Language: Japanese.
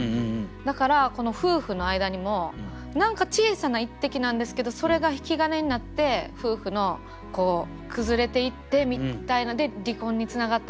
だからこの夫婦の間にも何か小さな一滴なんですけどそれが引き金になって夫婦の崩れていってみたいなんで離婚につながったとか。